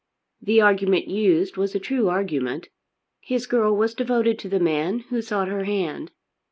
The argument used was a true argument. His girl was devoted to the man who sought her hand.